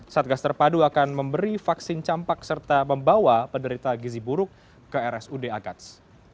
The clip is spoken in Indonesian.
satgas terpadu akan memberi vaksin campak serta membawa penderita gizi buruk ke rsud agats